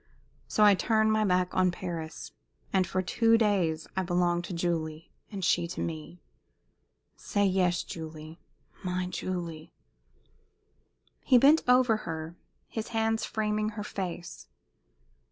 So I turn my back on Paris, and for two days I belong to Julie and she to me. Say yes, Julie my Julie!" He bent over her, his hands framing her face.